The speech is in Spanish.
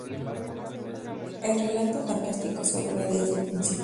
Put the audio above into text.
El relato fantástico se aborda desde el principio.